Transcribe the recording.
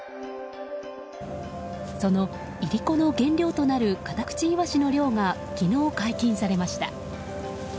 そのイリコの原料となるカタクチイワシの漁が昨日、解禁されました。